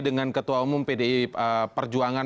dengan ketua umum pdi perjuangan